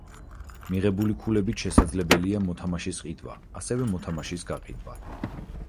მიღებული ქულებით შესაძლებელია მოთამაშის ყიდვა, ასევე მოთამაშის გაყიდვა.